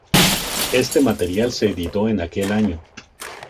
Este material se editó en aquel año.